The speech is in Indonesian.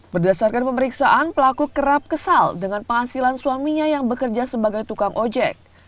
berdasarkan pemeriksaan pelaku kerap kesal dengan penghasilan suaminya yang bekerja sebagai tukang ojek